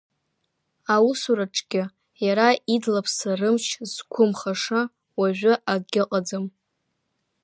Аусураҿгьы иара идлаԥса рымч зқәымхаша уажәы акгьы ыҟаӡам.